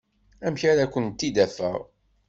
Amek ara kent-id-afeɣ?